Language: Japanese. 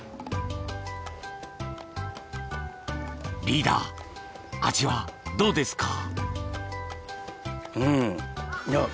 リーダー、味はどうですか？